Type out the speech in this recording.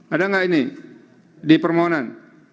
ada nggak ini di permohonan